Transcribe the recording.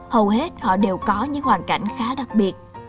hầu hết họ đều có những hoàn cảnh khá đặc biệt